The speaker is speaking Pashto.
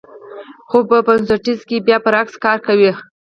خو په فتوسنتیز کې بیا برعکس کار کوي